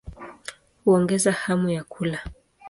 Huongeza hamu ya kula.